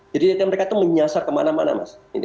jadi mereka itu menyasar kemana mana mas